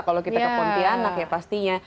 kalau kita ke pontianak ya pastinya